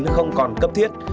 không còn cấp thiết